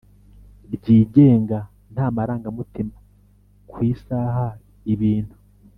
Ryigenga nta marangamutima ku isaba ibintu